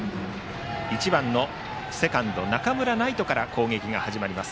１番のセカンド、中村騎士から攻撃が始まります